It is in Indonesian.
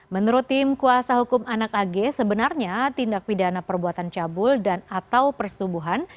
menurut tim kuasa hukum anak ag sebenarnya tindak pidana perbuatan cabul dan atau persetubuhan